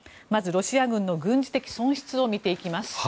まずロシア軍の軍事的損失を見ていきます。